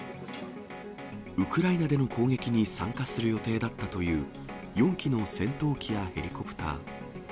ウクライナでの攻撃に参加する予定だったという４機の戦闘機やヘリコプター。